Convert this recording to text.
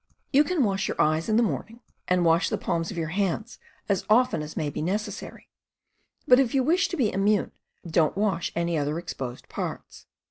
You can wash your eyes in the morning, and wash the palms of your hands as often as may be necessary, but if you wish to be immune, don't wash any other exposed parts